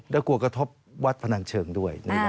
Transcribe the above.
แล้วกลัวกระทบวัดพนันเชิงด้วย